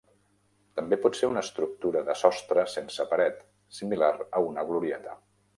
També pot ser una estructura de sostre sense paret, similar a una glorieta.